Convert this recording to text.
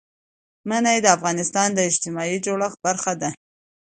منی د افغانستان د اجتماعي جوړښت برخه ده.